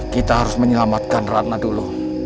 kita harus menyelamatkan ratna dulu